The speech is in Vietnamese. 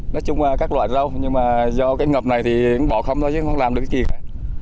nói chung là các loại rau nhưng mà do cái ngập này thì em bỏ không thôi chứ không làm được gì cả